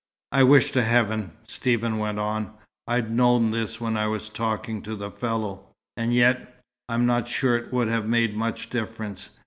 "I wish to heaven," Stephen went on, "I'd known this when I was talking to the fellow! And yet I'm not sure it would have made much difference.